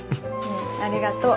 ありがとう。